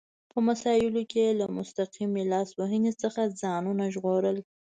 په مسایلو کې یې له مستقیمې لاس وهنې څخه ځانونه ژغورل.